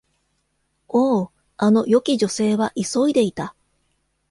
おお、あの良き女性は急いでいた！